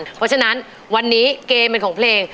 เพราะฉะนั้นวันนี้เกมเป็นของเพลง